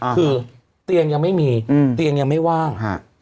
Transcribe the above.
คือเตียงยังไม่มีเตียงยังไม่ว่าง